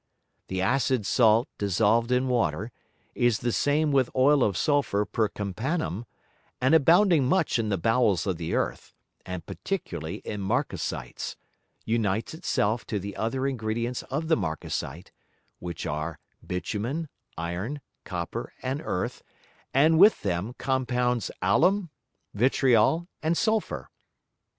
The acid Salt dissolved in Water, is the same with Oil of Sulphur per Campanam, and abounding much in the Bowels of the Earth, and particularly in Markasites, unites it self to the other Ingredients of the Markasite, which are, Bitumen, Iron, Copper, and Earth, and with them compounds Allum, Vitriol, and Sulphur.